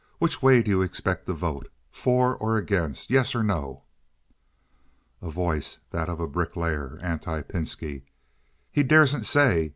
Which way do you expect to vote? For or against? Yes or no?" A Voice (that of a bricklayer, anti Pinski). "He daresn't say.